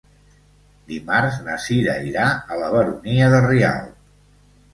Dimarts na Cira irà a la Baronia de Rialb.